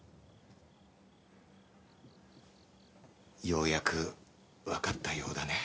ようやくわかったようだね。